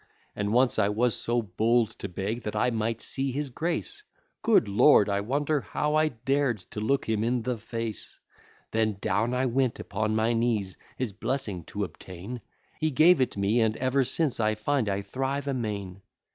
And once I was so bold to beg that I might see his grace, Good lord! I wonder how I dared to look him in the face: Then down I went upon my knees, his blessing to obtain; He gave it me, and ever since I find I thrive amain.